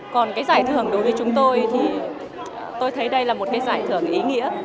còn cái giải thưởng đối với chúng tôi thì tôi thấy đây là một cái giải thưởng ý nghĩa